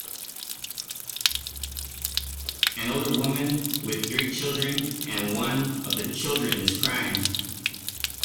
An older woman with three children and one of the children is crying.